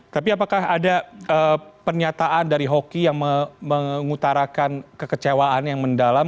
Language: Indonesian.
tapi apakah ada pernyataan dari hoki yang mengutarakan kekecewaan yang mendalam